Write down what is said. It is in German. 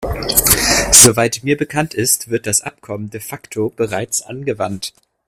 Soweit mir bekannt ist, wird das Abkommen de facto bereits angewandt.